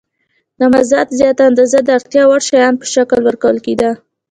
د مزد زیاته اندازه د اړتیا وړ شیانو په شکل ورکول کېده